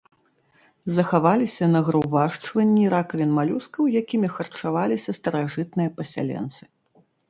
Захаваліся нагрувашчванні ракавін малюскаў, якімі харчаваліся старажытныя пасяленцы.